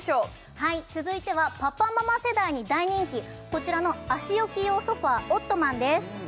はい続いてはパパママ世代に大人気こちらの足置き用ソファオットマンです